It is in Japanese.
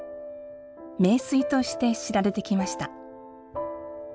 名水として知られてきました。